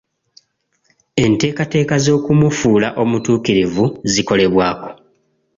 Enteekateeka z'okumufuula omutuukirivu zikolebwako.